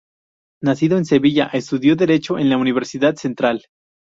Nacido en Sevilla, estudió Derecho en la Universidad Central.